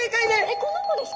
この子ですか？